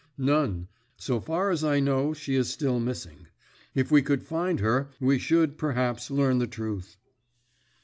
"None. So far as I know, she is still missing. If we could find her we should, perhaps, learn the truth."